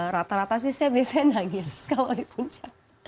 rata rata sih saya biasanya nangis kalau di puncak